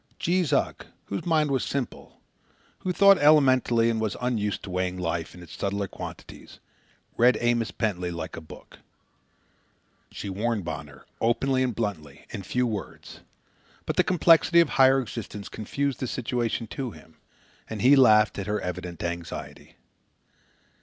Jees Uck, whose mind was simple, who thought elementally and was unused to weighing life in its subtler quantities, read Amos Pentley like a book. She warned Bonner, openly and bluntly, in few words; but the complexities of higher existence confused the situation to him, and he laughed at her evident anxiety.